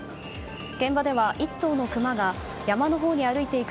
現場では、１頭のクマが山のほうに歩いていく